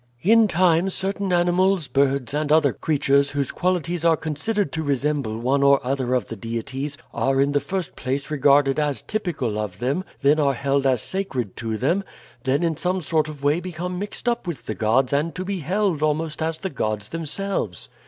"In time certain animals, birds, and other creatures whose qualities are considered to resemble one or other of the deities are in the first place regarded as typical of them, then are held as sacred to them, then in some sort of way become mixed up with the gods and to be held almost as the gods themselves.